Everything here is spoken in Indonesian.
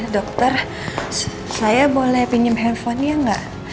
dokter saya boleh pinjem handphone nya gak